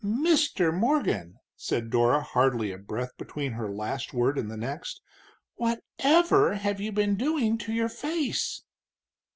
"Mister Morgan!" said Dora, hardly a breath between her last word and the next, "what_ever_ have you been doin' to your face?"